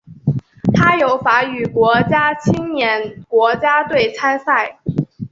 它由法语国家青年国家队参赛。